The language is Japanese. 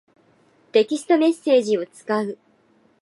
テキストメッセージを使う。